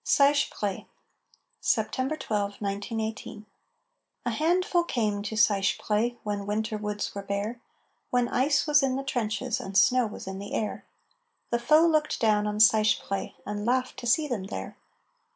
SEICHEPREY [September 12, 1918] A handful came to Seicheprey When winter woods were bare, When ice was in the trenches And snow was in the air. The foe looked down on Seicheprey And laughed to see them there.